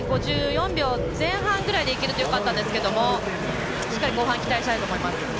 ５４秒前半ぐらいでいけるとよかったんですけどもしっかり後半に期待したいと思います。